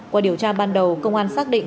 qua điều tra ban đầu công an xác định